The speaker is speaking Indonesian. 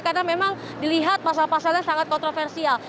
karena memang dilihat masalah masalahnya sangat kontroversial